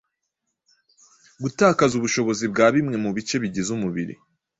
gutakaza ubushobozi bwa bimwe mu bice bigize umubiri